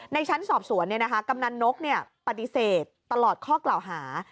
ในชั้นสอบสวนเนี่ยนะคะกำนักนกเนี่ยปฏิเสธตลอดข้อกล่าวหา